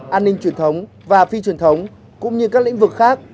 an ninh truyền thống và phi truyền thống cũng như các lĩnh vực khác